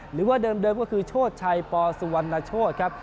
หรือว่าเดิมก็คือโชชัยปสุวรรณโชธครับ